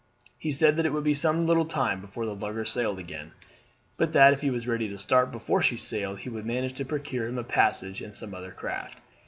He said that it would be some little time before the lugger sailed again, but that if he was ready to start before she sailed he would manage to procure him a passage in some other craft.